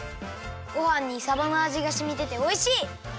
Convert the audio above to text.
ごはんにさばのあじがしみてておいしい！